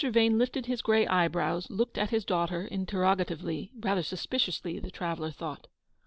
Vane lifted his grey eyebrows, looked at his daughter interrogatively; rather suspiciously, the traveller thought.